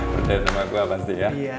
perjalanan sama saya pasti